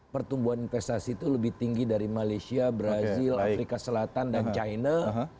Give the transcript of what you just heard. pertumbuhan investasi itu lebih tinggi dari malaysia brazil afrika selatan dan china